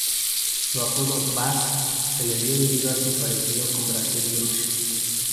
Su apodo "Baz" se le dio debido a su parecido con Basil Brush.